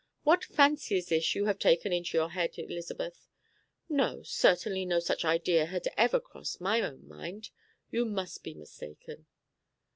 "What fancy is this you have taken into your head, Elizabeth? No, certainly no such idea had ever crossed my own mind. You must be mistaken."